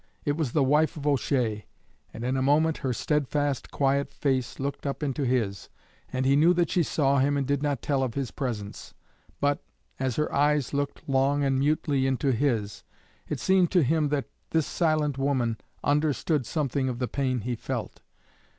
It was the wife of O'Shea, and in a moment her steadfast, quiet face looked up into his, and he knew that she saw him and did not tell of his presence; but, as her eyes looked long and mutely into his, it seemed to him that this silent woman understood something of the pain he felt.